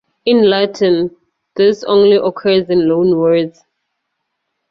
In Latin, this only occurs in loanwords.